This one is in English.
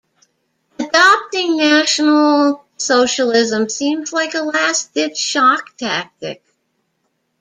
Adopting National-Socialism seems like a last ditch shock tactic.